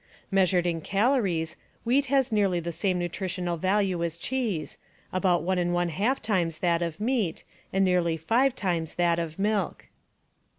Measured in calories, wheat has nearly the same nutritional value as cheese, about one and one half times that of meat and nearly five times that of milk.